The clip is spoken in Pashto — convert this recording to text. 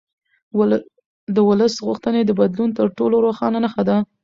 د ولس غوښتنې د بدلون تر ټولو روښانه نښه ده